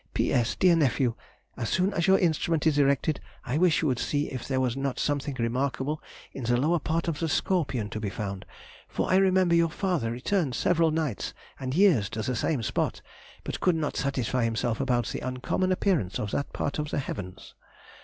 P.S.—Dear Nephew, as soon as your instrument is erected I wish you would see if there was not something remarkable in the lower part of the Scorpion to be found, for I remember your father returned several nights and years to the same spot, but could not satisfy himself about the uncommon appearance of that part of the heavens.